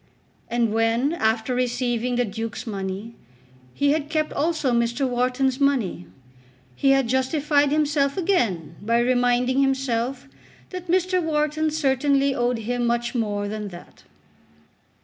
And when after receiving the Duke's money, he had kept also Mr. Wharton's money, he had justified himself again by reminding himself that Mr. Wharton certainly owed him much more than that.